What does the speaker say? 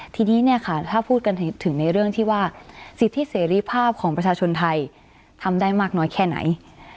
ทีนี้เนี่ยค่ะถ้าพูดกันถึงในเรื่องที่ว่าสิทธิเสรีภาพของประชาชนไทยทำได้มากน้อยแค่ไหน